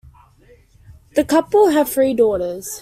The couple have three daughters.